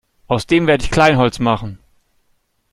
Aus dem werde ich Kleinholz machen!